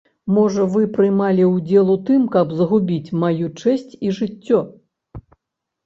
Можа, вы прымалі ўдзел у тым, каб загубіць маю чэсць і жыццё?